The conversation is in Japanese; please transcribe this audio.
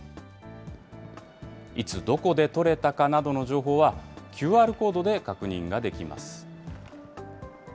いつ、どこでとれたかなどの情報はＱＲコードで確認ができます。